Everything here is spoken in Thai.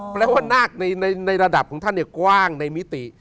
แปลว่านาคในระดับของท่านกว้างในมิติ